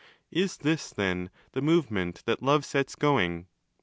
Is ¢his, then, the move ment that Love sets going?